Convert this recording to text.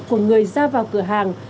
của người ra vào cửa hàng